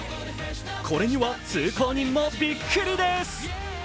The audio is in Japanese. これには通行人もビックリです。